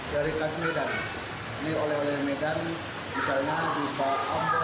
dari khas medan beli oleh oleh medan misalnya di kampung medan